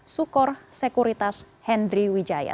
sukor sekuritas hendry wijaya